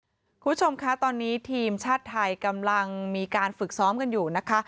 คุณผู้ชมคะตอนนี้ทีมชาติไทยกำลังมีการฝึกซ้อมกันอยู่นะคะ